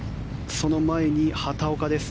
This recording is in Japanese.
その前に畑岡です。